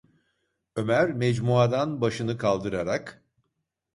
Ömer mecmuadan başını kaldırarak: